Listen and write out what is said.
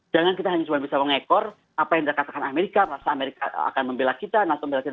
jangan kita hanya cuma bisa mengekor apa yang dikatakan as as akan membela kita nato akan membela kita